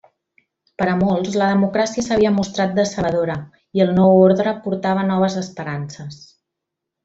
Per a molts la democràcia s'havia mostrat decebedora, i el Nou Ordre portava noves esperances.